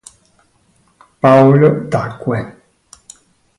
Paolo tacque.